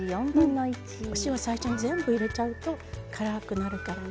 お塩を最初に全部入れちゃうと辛くなるからね。